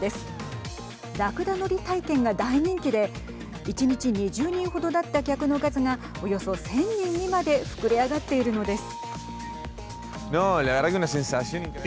乗り体験が大人気で１日２０人程だった客の数がおよそ１０００人にまで膨れ上がっているのです。